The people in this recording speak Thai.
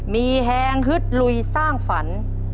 มีแฮงฮึดลุยสร้างฝัน